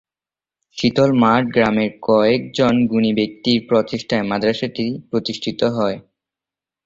শীতল মাঠ গ্রামের কয়েক জন গুণী ব্যক্তির প্রচেষ্টায় মাদ্রাসাটি প্রতিষ্ঠা লাভ করে।